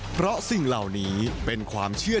เพราะสิ่งเหล่านี้เป็นความเชื่อ